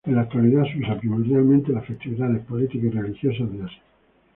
En la actualidad se usa primordialmente en las festividades políticas y religiosas de Asia.